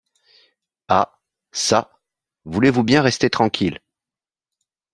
Ah! çà, voulez-vous bien rester tranquille !